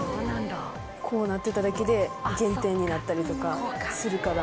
こうなってただけで減点になったりとかするから。